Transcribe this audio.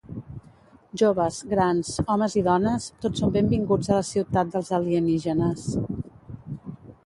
Joves, grans, homes i dones, tots són benvinguts a la ciutat dels alienígenes.